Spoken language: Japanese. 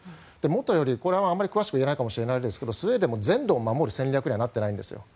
元より、これはあまり詳しく言えないかもしれませんがスウェーデンも全土を守る戦略にはなってないんですよ。